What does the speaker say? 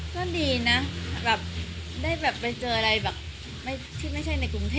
ก็ดีนะแบบได้แบบไปเจออะไรแบบที่ไม่ใช่ในกรุงเทพ